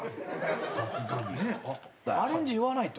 アレンジ言わないと。